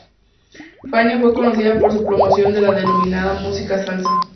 Fania fue conocida por su promoción de la denominada música salsa.